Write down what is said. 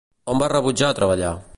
On va rebutjar treballar?